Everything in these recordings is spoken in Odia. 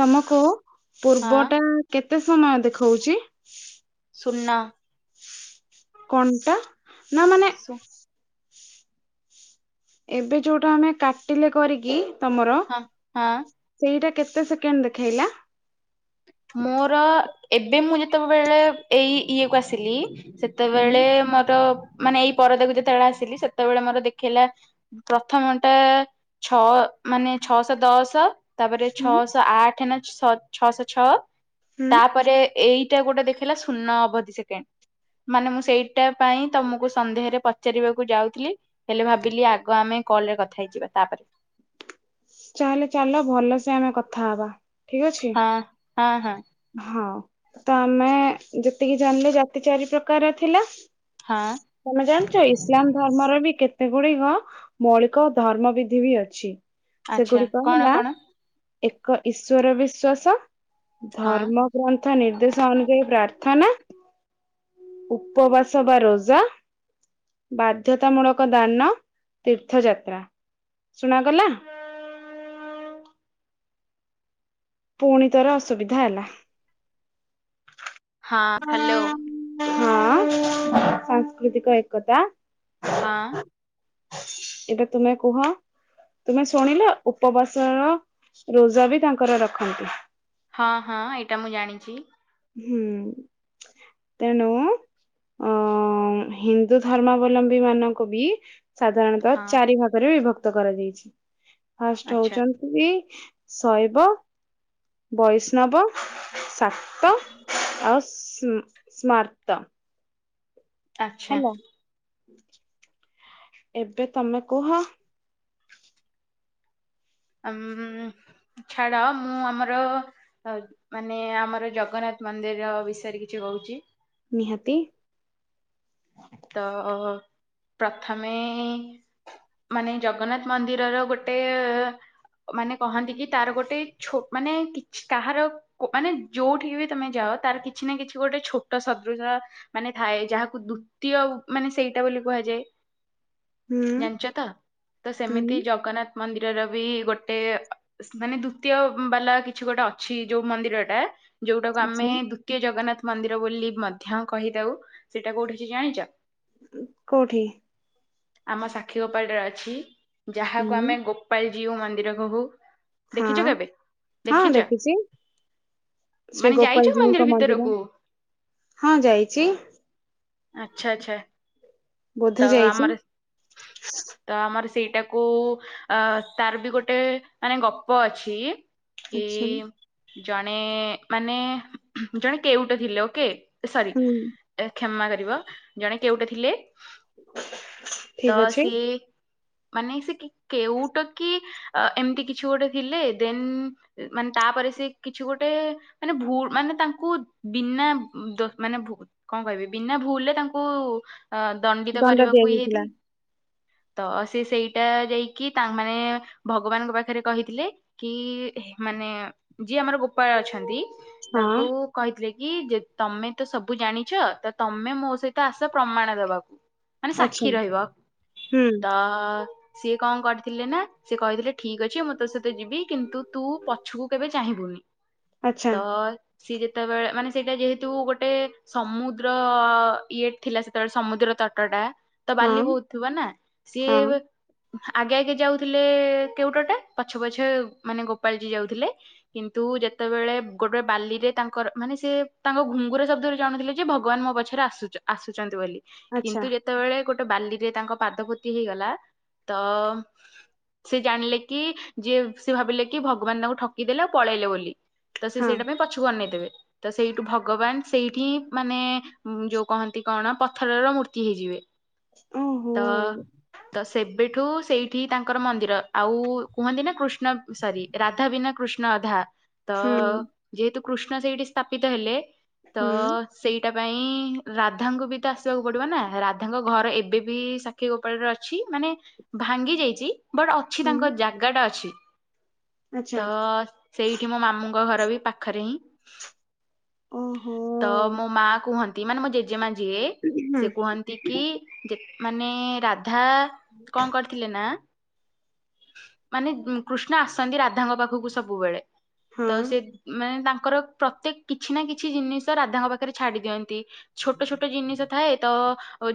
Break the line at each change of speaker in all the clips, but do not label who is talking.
ତମକୁ
ହଁ
ପୂର୍ବ ଟା କେତେ ସମୟ ଦେଖଉଛି?
ଶୂନ।
କଣଟା ନା ମାନେ
ଶୁନ୍।
ଏବେ ଯୋଉଟା ଆମେ କାଟିଲେ କରିକି ତମର
ହଁ ହଁ।
ସେଇଟା କେତେ ସେକେଣ୍ଡ ଦେଖେଇଲା?
ମୋର ଏବେ ମୁଁ ଯେତେବଳେ ଏଇ ଇଏ କୁ ଆସିଲି ସେ
ହୁଁ
ତେବେଳେ ମୋର ମାନେ ଏଇ ପରଦାକୁ ଯେତେବେଳେ ଆସିଲି ସେତେବେଳେ ମୋର ଦେଖେଇଲା ପ୍ରଥମଟା ଛଅ ମାନେ ଛଅଶଅ ଦଶ। ତାପରେ
ହୁଁ
ଛଅଶଅ ଆଠେ ନା ସ-ଛ ଛଅଶଅ ଛଅ
ହୁଁ
ତାପରେ ଏଇଟା ଗୋଟେ ଦେଖେଇଲା ଶୂନ ଅବଧି ସେକେଣ୍ଡ। ମାନେ ମୁଁ ସେଇଟା ପାଇଁ ତମକୁ ସନ୍ଦେହରେ ପଚାରିବାକୁ ଯାଉଥିଲି। ହେଲେ ଭାବିଲି ଆଗ ଆମେ କଲରେ କଥା ହେଇଯିବା ତାପରେ
ଚାଲେଲେ ଚାଲ ଭଲସେ ଆମେ କଥା ହବା ଠିକ ଅଛି।
ହଁ ହଁ ହଁ।
ହଁ ତ ଆମେ ଯେତିକି ଜାଣିଲେ ଜାତି ଚାରି ପ୍ରକାର ଥିଲା।
ହଁ।
ତମେ ଜାଣିଚ ଇସଲାମ ଧର୍ମର ବି କେତେ ଗୁଡିକ ମୌଳିକ ଧର୍ମ ବିଧି ବି ଅଛି।
ଆଚ୍ଛା
ସେଗୁଡିକ
କଣ
ହେଲା
କଣ?
ଏକ ଈଶ୍ୱର ବିଶ୍ଵାସ।
ହଁ
ଧର୍ମ ଗ୍ରନ୍ଥ ନିର୍ଦ୍ଦେଶ ଅନୁଯାୟୀ ପ୍ରାର୍ଥନା। ଉପବାସ ବା ରୋଜା। ବାଧ୍ୟତାମୂଳକ ଦାନ ତୀର୍ଥଯାତ୍ରା ଶୁଣାଗଲା। ପୁଣିଥରେ ଅସୁବିଧା ହେଲା।
ହଁ ହ୍ୟାଲୋ
ହଁ ସାଂସ୍କୃତିକ ଏକତା।
ହଁ।
ଏବେ ତୁମେ କୁହ? ତୁମେ ଶୁଣିଲ ଉପବାସର ରୋଜା ବି ତାଙ୍କର ରଖନ୍ତି।
ହଁ ହଁ ଏଇଟା ମୁଁ ଜାଣିଚି।
ହୁଁ ତେଣୁ ଅ ହିନ୍ଦୁ ଧର୍ମାବଲମ୍ବୀ ମାନଙ୍କୁ ବି ସାଧାରଣତ
ହଁ
ତ ଚାରି ଭାଗରେ ବିଭକ୍ତ କରାଯାଇଛି ଫାଷ୍ଟ
ଆଚ୍ଛା
ହଉଚନ୍ ତି ଶୈବ। ବୈଷ୍ଣବ ଶାକ୍ତ ଆଉ ସ୍ମାର୍ତ।
ଆଚ୍ଛା
ହେଲା ଏବେ ତମେ କୁହ?
ଉଁ ଛାଡ ମୁଁ ଆମର ଆଉ ମାନେ ଆମର ଜଗନ୍ନାଥ ମନ୍ଦିର୍ ର ବିଷୟରେ କିଛି କହୁଛି।
ନିହାତି।
ତ ପ୍ରଥମେ ମାନେ ଜଗନ୍ନାଥ ମନ୍ଦିରର ଗୋଟେ ମାନେ କହନ୍ତି କି ତାର ଗୋଟେ ଛୋ ମାନେ କିଛି କାହାର କୁ ମାନେ ଯୋଉଠିକି ବି ତମେ ଯାଅ ତାର କିଛି ନା କିଛି ଗୋଟେ ଛୋଟ ସଦୃଶ ମାନେ ଥାଏ ଯାହାକୁ ଦୁତୀୟ ମାନେ ସେଇଟା ବୋଲି କୁହାଯାଏ।
ହୁଁ
ଜାଣିଚତ ତ
ହୁଁ
ସେମିତି ଜଗନ୍ନାଥ ମନ୍ଦିରର ବି ଗୋଟେ ମାନେ ଦୁତୀୟ ବାଲା କିଛି ଗୋଟେ ଅଛି ଯୋଉ ମନ୍ଦିରଟା ଯୋଉଟାକୁ
ଆଚ୍ଛା,
ଆମେ ଦୁତୀୟ ଜଗନ୍ନାଥ ମନ୍ଦିର ବୋଲି ମଧ୍ୟ କହିଥାଉ ସେଇଟା କୋଉଠି ଅଛି ଜାଣିଚ?
କୋଉଠି?
ଆମ ସାକ୍ଷୀଗୋପାଳରେ ଅଛି ଯାହାକୁ
ହୁଁ
ଆମେ ଗୋ ପାଲ୍ ଜୀଉ ମନ୍ଦିର କହୁ।
ହଁ
ଦେଖିଛ କେବେ?
ହଁ
ଦେଖିଛ?
ଦେଖିଚି। ଶ୍ରୀ
ମାନେ ଯାଇଛ
ଗୋପାଳ ଜୀଉଙ୍କ ମନ୍ଦିର।
ଭିତରକୁ? ଆଛା ଆଛା
ବୋଧେ
ତ
ଯାଇଛି
ଆମର
[inaudible]
ତ ଆମର ସେଇଟାକୁ ଅ ତାର ବି ଗୋଟେ ମାନେ ଗପ ଅଛି। କି
ଆଚ୍ଛା
ଜଣେ ମାନେ ଜଣେ କେଉଟ ଥିଲେ ଓକେ। ସରି।
ହୁଁ
କ୍ଷମା କରିବ ଜଣେ କେଉଟ ଥିଲେ ତ
ଠିକ ଅଛି
ସିଏ ମାନେ ସେ କି କେଉଟ କି ଆ ଏମିତି କିଛି ଗୋଟେ ଥିଲେ ଦେନ୍ ଏ ମାନେ ତାପରେ ସେ କିଛି ଗୋଟେ ମାନେ ଭୁ ମାନେ ତାଙ୍କୁ ବିନା ଦୋ ମାନେ ଭୁ କଣ କହିବି ବିନା ଭୁଲରେ ତାଙ୍କୁ ଦଣ୍ଡିତ ଅ
ଦଣ୍ଡ
କରିବାକୁ ଇ
ଦିଆଯାଇଥିଲା
ହେଇଥଲେ। ତ ସେ ସେଇଟା ଯାଇକି ତା ମାନେ ଭଗବାନଙ୍କ ପାଖରେ କହିଥିଲେ। କି ହେ ମାନେ ଯିଏ ଆମର ଗୋପାଳ ଅଛନ୍ତି।
ହଁ।
ତାଙ୍କୁ କହିଥିଲେ କି ଯେ ତମେ ତ ସବୁ ଜାଣିଛ ତ ତମେ ମୋ ସହିତ ଆସ ପ୍ରମାଣ ଦବାକୁ ମାନେ
ଆଚ୍ଛା
ସାକ୍ଷୀ ରହିବ
ହୁଁ
ତ ଅ ସିଏ କଣ କରିଥିଲେ ନା ସିଏ କହିଥିଲେ ଠିକ ଅଛି ମୁଁ ତୋ ସହିତ ଯିବି କିନ୍ତୁ ତୁ ପଛକୁ କେବେ ଚାହିଁବୁନି।
ଆଚ୍ଛା
ତ ସିଏ ଯେତେବେଳେ ମାନେ ସେଇଟା ଯେହେତୁ ଗୋଟେ ସମୁ ଦ୍ର ଇଏ ଥିଲା ସେତେବେଳେ ସମୁଦ୍ର ତଟଟା ତ
ହଁ
ବାଲି ବୋହୁତ୍ ଥିବ ନା ସିଏ
ହଁ
ଆଗେ ଆଗେ ଯାଉଥିଲେ କେଉଟଟା ପଛେ ପଛେ ମାନେ ଗୋପାଳଜୀ ଯାଉଥିଲେ। କିନ୍ତୁ ଯେତେବେଳେ ଗୋଟେ ବାଲିରେ ତାଙ୍କର ମାନେ ସେ ତାଙ୍କ ଘୁଙ୍ଗୁର ଶବ୍ଦ ରୁ ଜାଣୁଥିଲେ ଯେ ଭଗବାନ ମୋ ପଛରେ ଆସୁଚ ଆସୁଚନ୍ତି ବୋଲି
ଆଚ୍ଛା
କିନ୍ତୁ ଯେ ତେବେଳେ ଗୋଟେ ବାଲିରେ ତାଙ୍କ ପାଦ ପୋତି ହେଇଗଲା ତ ସିଏ ଜାଣିଲେ କି ଯିଏ ସିଏ ଭାବିଲେ କି ଭଗବାନ ତାଙ୍କୁ ଠକିଦେଲେ ଆଉ ପଳେଇଲେ ବୋଲି। ତ ସେ
ହଁ
ସେଇଟା ପାଇଁ ପଛକୁ ଅନେଇଦେବେ ତ ସେଇଠୁ ଭଗବାନ ସେଇଠିଁ ମାନେ ଯୋଉ କହନ୍ତି କଣ ପଥରର ମୂର୍ତ୍ତି ହେଇଯିବେ।
ଓହୋ।
ତ ତ ସେବେଠୁ ସେଇଠି ତାଙ୍କର ମନ୍ଦିର ଆଉ କୁହନ୍ତି ନା କୃଷ୍ଣ ସରି ରାଧା ବିନା କୃଷ୍ଣ ଅଧା ତ
ହୁଁ
ଯେହେତୁ କୃଷ୍ଣ ସେଇଠି ସ୍ଥାପିତ ହେଲେ ତ
ହୁଁ
ସେଇଟା ପାଇଁ ରାଧାଙ୍କୁ ବି ତ ଆସିବାକୁ ପଡ଼ିବ ନା ରାଧାଙ୍କ ଘର ଏବେ ବି ସା କ୍ଷୀଗୋପାଳରେ ଅଛି ମାନେ ଭାଙ୍ଗି ଯାଇଛି। ବଟ୍ ଅଛି ତାଙ୍କ
ହୁଁ
ଜାଗା ଟା ଅଛି
ଆଚ୍ଛା
ତ ସେଇଠି ମୋ ମାମୁଁଙ୍କ ଘର ବି ପାଖରେ ହିଁ
ଓହୋ।
ତ ମୋ ମା କୁହନ୍ତି ମାନେ ମୋ ଜେଜେମା ଯିଏ
ହୁଁ,
ସେ କୁହନ୍ତି କି ଯେ ମାନେ ରାଧା କଣ କର୍ ଥିଲେ ନା ମାନେ ଉ କୃଷ୍ଣ ଆସନ୍ତି ରାଧାଙ୍କ ପାଖକୁ ସବୁବେଳେ। ତ
ହଁ
ସେ ମାନେ ତାଙ୍କର ପ୍ରତ୍ୟେକ କିଛି ନା କିଛି ଜିନିଷ ରାଧାଙ୍କ ପାଖ ରେ ଛାଡ଼ି ଦିଅନ୍ତି ଛୋଟ ଛୋଟ ଜିନିଷ ଥାଏ ତ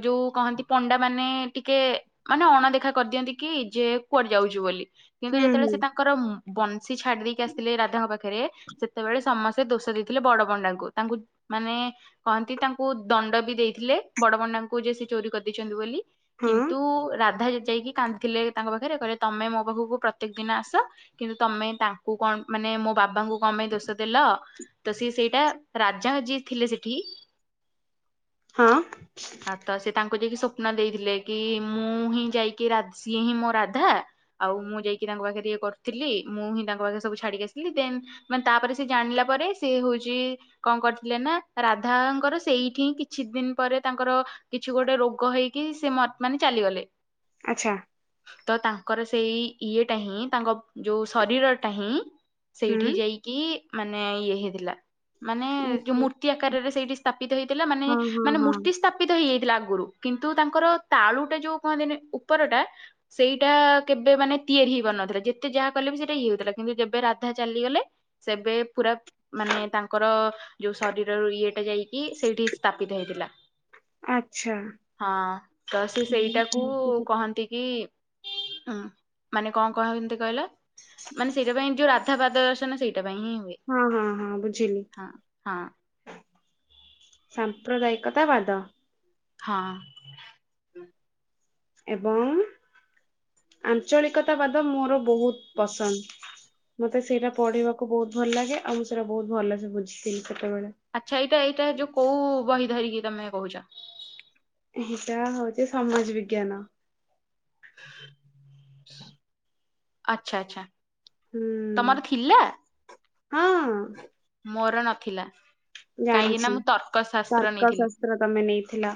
ଯୋଉ କହନ୍ତି ପଣ୍ଡା ମାନେ ଟିକେ ମାନେ ଅଣଦେଖା କରିଦିଅନ୍ତି କି ଯେ କୁଆଡ଼େ ଯାଉଛି ବୋଲି। କିନ୍ତୁ ଯେତେବେଳେ ସେ ତାଙ୍କର ଉମ୍ ବଂଶୀ ଛାଡ଼ି ଦେଇକି ଆସିଥିଲେ ରାଧାଙ୍କ ପା ଖେରେ ସେତେବେଳେ ସମସ୍ତେ ଦୋଷ ଦେଇଥିଲେ ବଡ଼ ପଣ୍ଡାଙ୍କୁ ତାଙ୍କୁ ମାନେ କହନ୍ତି ତାଙ୍କୁ ଦଣ୍ଡ ବି ଦେଇଥିଲେ ବଡ଼ ପଣ୍ଡାଙ୍କୁ ଯେ ସେ ଚୋରି କରିଦେଇଛନ୍ତି ବୋଲି। କିନ୍ତୁ ରାଧା ଯେ ଯାଇକି କାନ୍ଦିଥିଲେ ତାଙ୍କ ପାଖରେ କହିଲେ ତମେ ମୋ ପାଖକୁ ପ୍ରତ୍ୟେକ ଦିନ ଆସ କିନ୍ତୁ ତମେ ତାଙ୍କୁ କଣ ମାନେ ମୋ ବାବାଙ୍କୁ କଁ ପାଇଁ ଦୋଷ ଦେଲ ତ ସିଏ ସେଇଟା ରାଜା ଯିଏ ଥିଲେ ସେଠି ଆ ତ ସେ ତାଙ୍କୁ ଯାଇକି ସ ପ୍ନ ଦେଇଥିଲେ କି ମୁଁ ହିଁ ଯାଇକି ରା ସିଏ ହିଁ ମୋ ରାଧା ଆଉ ମୁଁ ଯାଇକି ତାଙ୍କ ପାଖରେ ଇଏ କରିଥିଲି ମୁଁ ହିଁ ତାଙ୍କ ପାଖରେ ସବୁ ଛାଡ଼ିକି ଆସିଥିଲି ଦେନ୍ ମାନେ ତାପରେ ସେ ଜାଣିଲା ପରେ, ସିଏ ହଉଛି କଣ କରିଥିଲେ ନା ରାଧାଙ୍କର ସେଇଠି ହିଁ କିଛି ଦିନ୍ ପରେ ତାଙ୍କର କିଛି ଗୋଟେ ରୋଗ ହେଇକି ସେ ମ ମାନେ ଚାଲିଗଲେ।
ଆଚ୍ଛା।
ତ ତାଙ୍କର ସେଇ ଇଏଟା ହିଁ ତାଙ୍କ ଯୋଉ ଶରୀର ଟା ହିଁ ସେଇଠି ଯାଇକି ମାନେ ଇଏ ହେଇଥିଲା ମାନେ ଯୋଉ ମୂର୍ ର୍ତ୍ତି ଆକାରରେ ସେଇଠି ସ୍ଥାପିତ ହେଇଥିଲା, ମାନେ ମାନେ ମୂର୍ତ୍ତି ସ୍ଥାପିତ ହେଇଯାଇଥିଲା ଆଗୁରୁ, କିନ୍ତୁ ତାଙ୍କର ତାଳୁଟା ଯୋଉ କୁହନ୍ତିନି ଉପରଟା ସେଇଟା କେବେ ମାନେ ତିଆରି ହେଇ ପାରୁନଥିଲା, ଯେତେ ଯାହା କଲେ ବି ସେଇଟା ଇଏ ହଉଥିଲା କିନ୍ତୁ ଯେବେ ରାଧା ଚାଲିଗଲେ ସେବେ ପୁରା ମାନେ ତାଙ୍କର ଯୋଉ ଶରୀରରୁ ଇଏଟା ଯାଇକି ସେଇଠି ସ୍ଥାପିତ ହେଇଥିଲା।
ଆଚ୍ଛା।
ହଁ ତ ସେ
ତାହେଲେ
ସେଇଟାକୁ
ଆଂଶିକ-
କହନ୍ତି ନ୍ତିକି ମାନେ କଣ କହନ୍ତି କହିଲ? ମାନେ ସେଇଟା ପାଇଁ ଯୋଉ ରାଧା ପାଦ ଦର୍ଶନ ସେଇଟା ପାଇଁ ହିଁ ହୁଏ,
ହଁ, ହଁ,
ହଁ- ହଁ।
ସାମ୍ପ୍ରଦାୟିକତା ବାଦ
ହଁ।
ଏବଂ ଆଞ୍ଚଳିକତାବାଦ ମୋର ବହୁତ ପସନ୍ଦ। ମତେ ସେଇଟା ପଢିବାକୁ ବହୁତ ଭଲ ଲାଗେ, ଆଉ ମୁଁ ସେଇଟା ବହୁତ ଭଲସେ ବୁଝିଥିଲି ସେତେବେଳେ।
ଆଚ୍ଛା ଏଇଟା ଏଇଟା ଯୋଉ କୋଉ ବହି ଧରିକି ତମେ କହୁଛ?
ଏଇଟା ହଉଛି ସମାଜ ବିଜ୍ଞାନ।
ହ ଆଚ୍ଛା ଆଚ୍ଛା
ହୁଁ,
ତମର ଥିଲା?
ହଁ
ମୋର ନଥିଲା, କାହିଁକି ନା ମୁଁ ତ
ତର୍କଶସ୍ତ୍ର ତମେ ନେଇଥିଲ,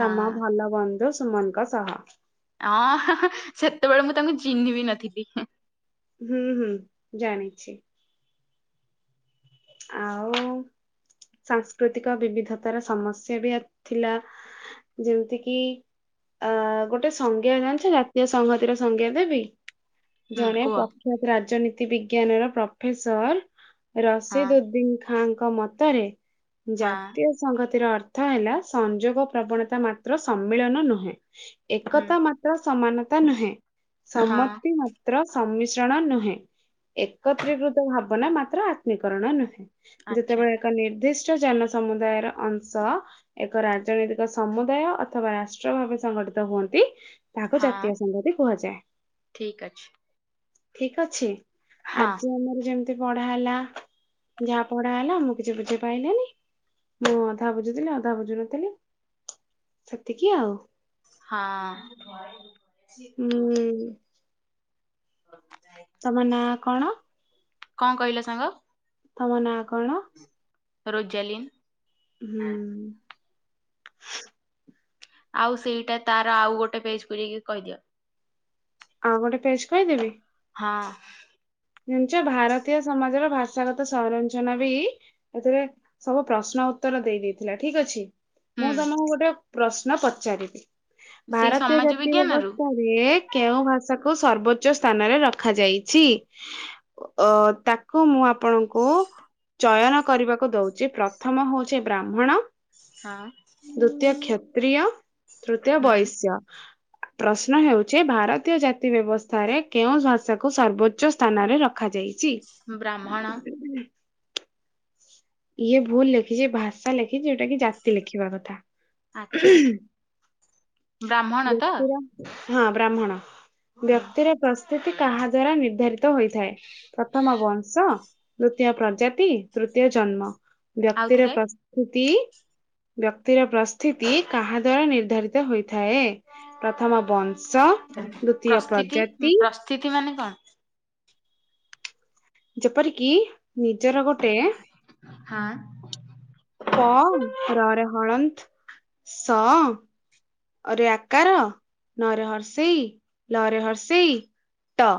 ହଁ
ତମ ଭଲ ବନ୍ଧୁ ସୁମନଙ୍କ ସହ।
ଆଁ- ହଁ ସେତେବେଳେ ମୁଁ ତାଙ୍କୁ ଚିହ୍ନିବି ନଥିଲି।
ହୁଁ- ହୁଁ ଜାଣିଚି। ଆଉ ସାଂସ୍କୃତିକ ବିବିଧତାର ସମସ୍ୟା ବି ଥିଲା। ଯେମିତି କିି ଅ ଗୋଟେ ସଂଜ୍ଞା ଜାଣିଛ, ଜାତୀୟ ସଂଘତିର ସଂଜ୍ଞା ଦେବି?
ହୁଁ
ଜଣେ
କୁହ।
ପ୍ରଖ୍ୟାତ ରାଜନୀତି ବିଜ୍ଞାନ ର ପ୍ରଫେସର,
ହଁ
ରସିଦ ଉଦ୍ଦି ଖାଁଙ୍କ ମତରେ
ହଁ
ଜାତୀୟ ସଂଘତିର ଅର୍ଥ ହେଲା ସଂଯୋଗ ପ୍ରବଣତା ମାତ୍ର ସମ୍ମିଳନ ନୁହେଁ।
ହୁଁ
ଏକତା ମାତ୍ର ସମାନତା ନୁହେଁ,
ହଁ
ସମ୍ମତି ମା ତ୍ର ସମ୍ମିଶ୍ରଣ ନୁହେଁ, ଏକତ୍ରୀକୃତ ଭାବନା ଆତ୍ମକରଣ ନୁହେଁ।
ଆଚ୍ଛା
ଯେତେବେଳେ ଏକ ନିର୍ଦ୍ଦିଷ୍ଟ ଜନ ସମୁଦାୟର ଅଂଶ ଏକ ରାଜନୈତିକ ସମୁଦାୟ ଅଥବା ରାଷ୍ଟ୍ର ଭାବେ ସଂଗଠିତ ହୁଅନ୍ତି ତାହାକୁ
ହଁ
ଜାତୀୟ ସଂଘତୀ କୁହାଯାଏ,
ଠିକ ଅଛି।
ଠିକ୍ ଅଛି।
ହଁ
ଆଜି ଆମର ଯେମିତି ପଢା ହେଲା, ଯାହା ପଢା ହେଲା ମୁଁ କିଛି ବୁଝିପାଇଲିନି। ମୁଁ ଅଧା ବୁଝୁଥିଲି ଅଧା ବୁଝୁ ନଥିଲି, ସେତିକି ଆଉ।
ହଁ।
ଉଁ ତମ ନାଁ କଣ?
କଣ କହିଲ ସାଙ୍ଗ?
ତମ ନାଁ କଣ?
ରୋଜାଲିନ୍।
ହୁଁ।
ଆଉ ସେଇଟା ତାର ଆଉ ଗୋଟେ ପେଜ୍ କୁ ଯାଇକି କହିଦିଅ।
ଆଉ ଗୋଟେ ପେଜ୍ କହିଦେବି?
ହଁ।
ଜାଣିଚ ଭାରତୀୟ ସମାଜର ଭାଷାଗତ ସଂରଞ୍ଚନା ବି ଏଥିରେ ସବୁ ପ୍ରଶ୍ନ ଉତ୍ତର ଦେଇ ଦେଇଥିଲା ଠିକ୍ ଅଛି।
ହୁଁ
ମୁଁ ତମକୁ ଗୋଟେ ପ୍ରଶ୍ନ ପଚାରିବି,
ସେଇ
ଭାରତୀୟ
ସମାଜ
ଜାତୀୟ
ବିଜ୍ଞାନରୁ?
ବ୍ୟବସ୍ଥା ରେ କେଉଁ ଭାଷାକୁ ସର୍ବୋଚ୍ଚ ସ୍ଥାନରେ ରଖାଯାଇଛି? ଅ ତାକୁ ମୁଁ ଆପଣଙ୍କୁ ଚୟନ କରିବାକୁ ଦଉଛି, ପ୍ରଥମ ହଉଛି ବ୍ରାହ୍ମଣ
ହଁ।
ଦ୍ଵିତୀୟ କ୍ଷତ୍ରିୟ, ତୃତୀୟ
ହୁଁ
ବୈଶ୍ୟ ପ୍ରଶ୍ନ ହେଉଛି ଭାରତୀୟ ଜାତି ବ୍ୟବସ୍ଥାରେ କେଉଁ ଭାଷାକୁ ସର୍ବୋଚ୍ଚ ସ୍ଥାନରେ ରଖାଯାଇଛି?
ବ୍ରାହ୍ମଣ
ଇଏ ଭୁଲ ଲେଖିଛି ଭାଷା ଲେଖିଛି ଏଟା କି ଜାତି ଲେଖିବା କଥା‌।
ଆଚ୍ଛା ବ୍ରାହ୍ମଣ
[inaudible]
ତ
ବ୍ୟକ୍ତିର ହଁ ବ୍ରାହ୍ମଣ
ହୁଁ
ବ୍ୟକ୍ତିର ପ୍ରସ୍ଥିତି କାହା ଦ୍ଵାରା ନିର୍ଦ୍ଧାରିତ ହୋଇଥାଏ? ପ୍ରଥମ ବଂଶ ଦ୍ଵିତୀୟ ପ୍ରଜାତି ତୃତୀୟ ଜନ୍ମ ବ୍ୟକ୍ତିର
ଆଉଥରେ।
ପ୍ରସ୍ ସ୍ତୁତି ବ୍ୟକ୍ତିର ପ୍ରସ୍ଥିତି କାହା ଦ୍ଵାରା ନିର୍ଦ୍ଧାରିତ ହୋଇଥାଏ ପ୍ରଥମ ବଂ ଶ ଦୁତୀୟ ପ୍ରଜାତି
ସ୍ଥିତି ମାନେ କଣ?
ଯେପରିକି ନିଜର ଗୋଟେ
ହାଁ
ପ ରରେ ହଣନ୍ତ ସ ଅରେ ଆକାର ନରେ ହର୍ସେଇ ଲରେ ହର୍ସେଇ ଟ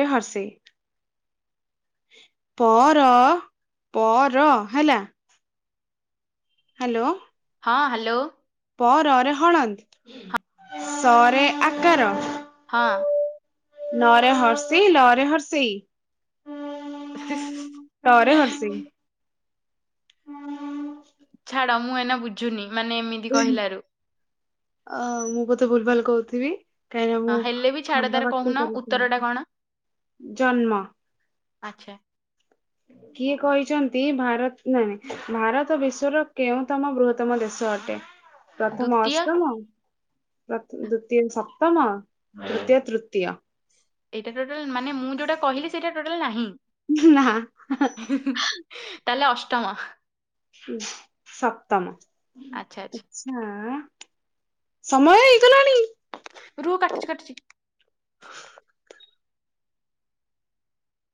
ରେ ହର୍ସେଇ ପ ର ପ ର ହେଲା ହାଲୋ।
ହଁ ହାଲୋ।
ପ ରରେ ହଳନ୍ଦ ଶରେ ଆକାର
ହଁ
ନରେ ହର୍ସେଇ ଲରେ ହର୍ସେଇ
[inaudible]
ତରେ ହର୍ସେଇ
ଛାଡ଼ ମୁଁ ଏଇନା ବୁଝୁନି ମାନେ ଏମିତ୍
ଅ ମୁଁ ବୋଧେ ଭୁଲ୍ ଭାଲ୍ କହୁଥିବି। କାହିଁକି ନା ମୁଁ
ହଁ ହେଲେ ବି ଛାଡ
ଖଣ୍ଡ
ତାର
ବାକ୍ୟ
କହୁନ
କରିଛି
ଉତ୍ତର ଟା କଣ?
ଜନ୍ମ
ଆଚ୍ଛା।
କିଏ କହିଛନ୍ତି ଭାରତ ନାନାଇଁ ଭାରତ ବିଶ୍ଵର କେଉଁ ତମ ବୃହତ ତ୍ତମ ଦେଶ ଅଟେ? ପ୍ରଥମ
ଦ୍ଵିତୀୟ
ଅଷ୍ଟମ, ତ ଦ୍ଵିତୀୟ ସପ୍ତମ, ତୃତୀୟ ତୃତୀୟ।
ଏଇଟା ଟୋଟାଲ୍ ମାନେ ମୁଁ ଯୋଉଟା କହିଲି ସେଇଟା ଟୋଟାଲ୍ ନାହିଁ।
[unintelligible] ନାଁ [unintelligible]
ତାହେଲେ ଅଷ୍ଟମ
ହୁଁ ସପ୍ତମ।
ଆଚ୍ଛା ଆଚ୍ଛା।
ହାଁ ସମୟ ହେଇଗଲାଣି।
ରୁଅ କାଟୁଚି କାଟୁଚି